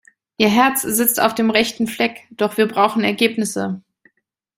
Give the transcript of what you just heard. Ihr Herz sitzt auf dem rechten Fleck, doch wir brauchen Ergebnisse.